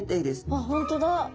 あっ本当だ！